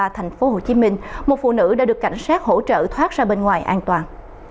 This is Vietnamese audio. thành phố hồ chí minh một phụ nữ đã được cảnh sát hỗ trợ thoát ra bên ngoài an toàn